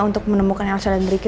untuk menemukan elsa dan ricky